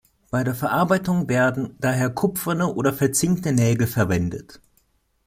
Bei der Verarbeitung werden daher kupferne oder verzinkte Nägel verwendet.